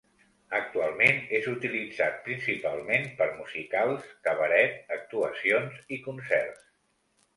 Actualment, és utilitzat principalment per musicals, cabaret, actuacions i concerts.